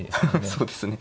そうですね。